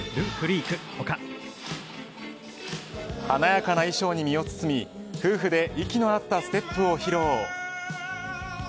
華やかな衣装に身を包み夫婦で息の合ったステップを披露。